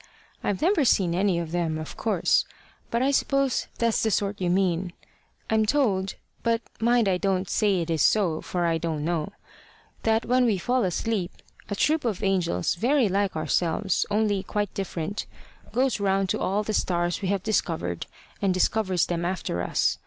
I've never seen any of them, of course; but I suppose that's the sort you mean. I'm told but mind I don't say it is so, for I don't know that when we fall asleep, a troop of angels very like ourselves, only quite different, goes round to all the stars we have discovered, and discovers them after us.